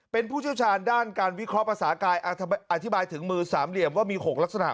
เป็นผู้เชี่ยวชาญด้านการวิเคราะห์ภาษากายอธิบายถึงมือสามเหลี่ยมว่ามี๖ลักษณะ